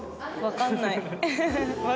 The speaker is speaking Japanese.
わかんない。